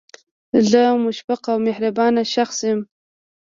زه مشفق او مهربانه شخص یم